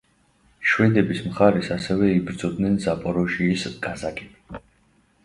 შვედების მხარეს ასევე იბრძოდნენ ზაპოროჟიის კაზაკები.